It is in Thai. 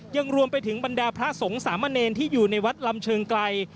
ยังรวมไปถึงบรรดาพระสงฆ์สามเณรที่อยู่ในวัดลำเชิงไกล